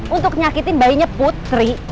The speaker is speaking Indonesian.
untuk nyakitin bayinya putri